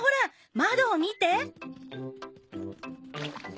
窓を見て。